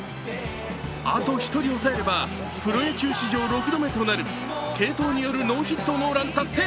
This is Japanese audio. あと１人抑えればプロ野球史上６度目となる継投によるノーヒットノーラン達成。